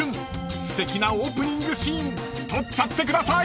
すてきなオープニングシーン撮っちゃってください］